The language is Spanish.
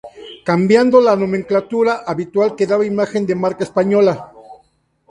Cambiando la nomenclatura habitual que daba imagen de marca española.